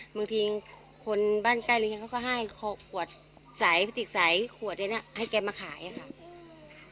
บางทีคนบ้านใกล้เขาก็ให้ขวดสายพะติกสายขวดเนี่ยนะให้แกมาขายอะค่ะ